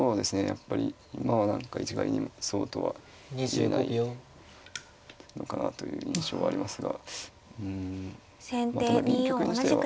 やっぱり今は何か一概にそうとは言えないのかなという印象はありますがうんただまあ